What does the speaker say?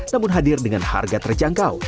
namun hadir dengan harga terjangkau